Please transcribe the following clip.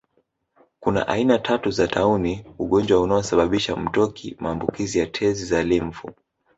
kuna aina tatu za tauni ugonjwa unaosababisha mtoki maambukizi ya tezi za limfu